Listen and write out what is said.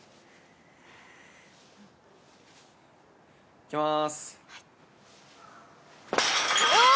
いきまーす。